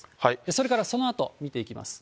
それからそのあと、見ていきます。